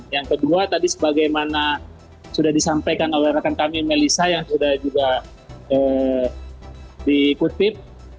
yang kedua tadi sebagaimana sudah disampaikan oleh rekan kami melissa yang sudah juga dikutip